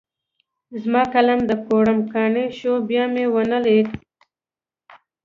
زما قلم د کوړم کاڼی شو؛ بيا مې و نه ليد.